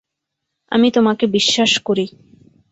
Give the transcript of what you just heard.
আমি তোমাকে বিশ্বাস করি।